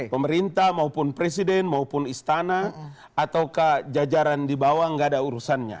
pemerintah maupun presiden maupun istana ataukah jajaran di bawah nggak ada urusannya